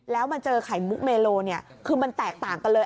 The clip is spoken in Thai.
แล้วมันเจอไขมุกเมโลคือมันแตกต่างกันเลย